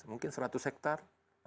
mungkin seratus hektar